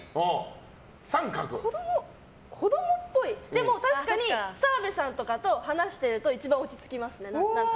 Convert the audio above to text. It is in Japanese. でも確かに、澤部さんとかと話してると、一番落ち着きますね。